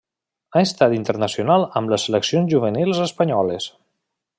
Ha estat internacional amb les seleccions juvenils espanyoles.